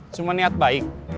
cuma niat baik